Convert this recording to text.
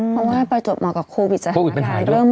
เพราะว่าไปจุดหมอกับโควิดใช่ป่าว